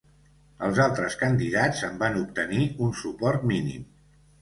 Els altres candidats en van obtenir un suport mínim.